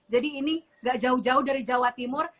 jadi ini nggak jauh jauh dari jawa timur